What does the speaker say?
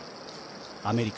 アメリカ。